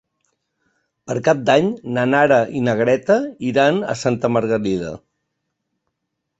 Per Cap d'Any na Nara i na Greta iran a Santa Margalida.